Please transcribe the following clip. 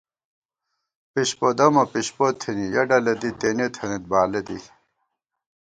پِشپو دَمہ پِشپو تھِنی ، یَہ ڈلہ دی تېنے تھنَئیت بالہ دی